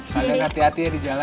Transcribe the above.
kalian hati hatinya di jalan